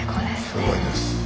すごいです。